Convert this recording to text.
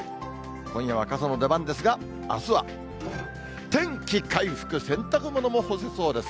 今夜は傘の出番ですが、あすは天気回復、洗濯物も干せそうです。